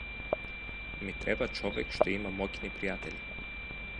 Ми треба човек што има моќни пријатели.